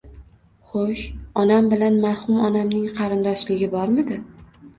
— Xo'sh, onam bilan marhum onamning qarindoshligi bormidi?